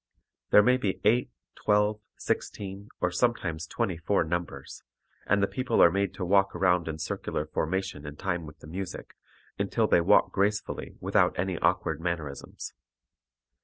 There may be eight, twelve, sixteen or sometimes twenty four numbers, and the people are made to walk around in circular formation in time with the music, until they walk gracefully without any awkward mannerisms.